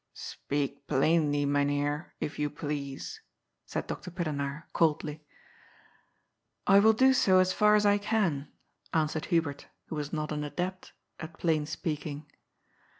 "Speak plainly. Mynheer, if you please," said Dr. Pillenaar coldly. " I will do so as far as I can," answered Hubert, who was not an adept at plain speaking.